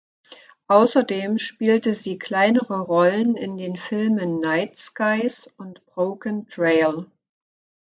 Außerdem spielte sie kleinere Rollen in den Filmen "Night Skies" und "Broken Trail".